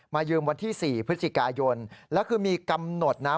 ยืมวันที่๔พฤศจิกายนแล้วคือมีกำหนดนะ